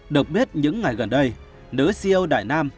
được biết những ngày gần đây nữ siêu đại nam